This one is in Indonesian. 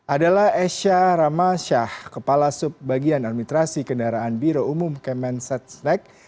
adalah esha ramashah kepala subbagian administrasi kendaraan biro umum kemen setsnek